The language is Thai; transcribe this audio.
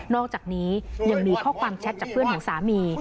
อกจากนี้ยังมีข้อความแชทจากเพื่อนของสามี